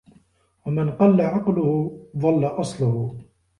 وَمَنْ قَلَّ عَقْلُهُ ضَلَّ أَصْلُهُ